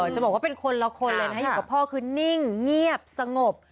จะบอกว่าเป็นคนละคนเลยนะอยู่กับพ่อคือนิ่งเงียบสงบ